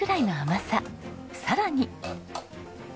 さらに。